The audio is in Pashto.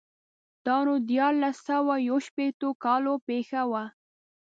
دا نو دیارلس سوه یو شپېتو کال پېښه وه.